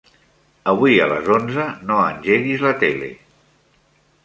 Avui a les onze no engeguis la tele.